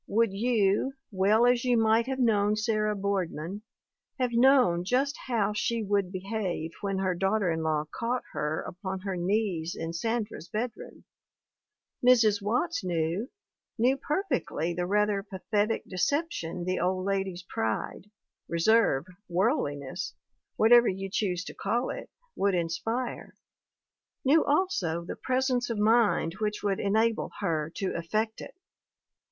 Would you, well as you might have known Sarah Boardman, have known just how she would be have when her daughter in law caught her upon her knees in Sandra's bedroom ? Mrs. Watts knew, knew perfectly the rather pathetic deception the old lady's pride reserve, worldliness, whatever you choose to call it would inspire ; knew also the presence of mind which w6uld enable her to effect it.